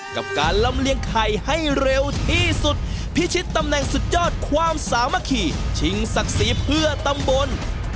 กับการลำเลียงไข่ให้เร็วที่สุดพิชิตตำแหน่งสุดยอดความสามัคคีชิงศักดิ์ศรีเพื่อตำบล